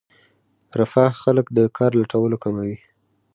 رفاه خلک د کار لټولو کموي.